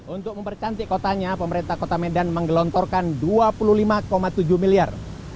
untuk mempercantik kotanya pemerintah kota medan menggelontorkan rp dua puluh lima tujuh miliar